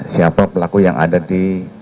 siapa pelaku yang ada di